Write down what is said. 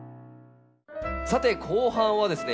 さて後半はですね